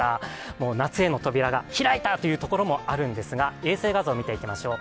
もう夏への扉が開いたというところもあるんですが衛星画像、見ていきましょう。